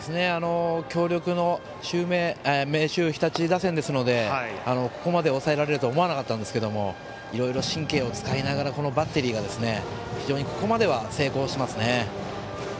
強力の明秀日立打線ですのでここまで抑えられるとは思わなかったんですがいろいろ神経を使いながらこのバッテリーが非常にここまでは成功してますね。